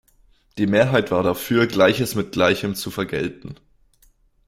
Die Mehrheit war dafür, Gleiches mit Gleichem zu vergelten.